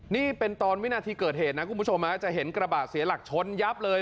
นี่เป็นตอนวินาทีเกิดเหตุนะคุณผู้ชมจะเห็นกระบะเสียหลักชนยับเลย